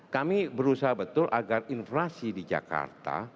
kami berusaha betul agar inflasi di jakarta